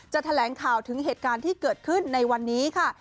แถลงข่าวถึงเหตุการณ์ที่เกิดขึ้นในวันนี้ค่ะ